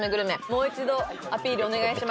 もう一度アピールお願いします